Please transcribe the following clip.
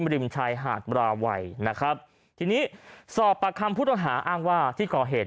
มริมชัยหาดบราไหวนะครับทีนี้สอบประคำพุทธฐาอ้างว่าที่ก่อเหตุ